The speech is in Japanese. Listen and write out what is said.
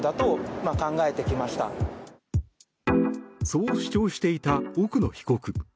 そう主張していた奥野被告。